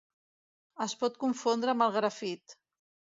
Es pot confondre amb el grafit.